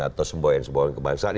atau semboyan semboyan kebangsaan